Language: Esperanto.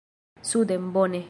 “Suden”, bone.